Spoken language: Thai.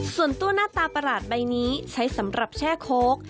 ส่วนตัวหน้าตาประหลาดใบนี้ใช้สำหรับแช่โค้ก